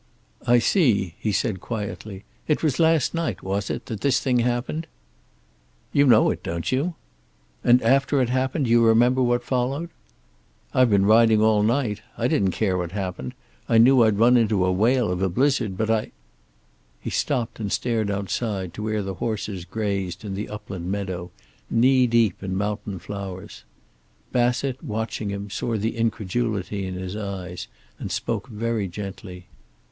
"I see," he said quietly. "It was last night, was it, that this thing happened?" "You know it, don't you?" "And, after it happened, do you remember what followed?" "I've been riding all night. I didn't care what happened. I knew I'd run into a whale of a blizzard, but I " He stopped and stared outside, to where the horses grazed in the upland meadow, knee deep in mountain flowers. Bassett, watching him, saw the incredulity in his eyes, and spoke very gently.